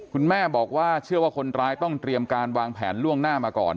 คุณแม่บอกว่าเชื่อว่าคนร้ายต้องเตรียมการวางแผนล่วงหน้ามาก่อน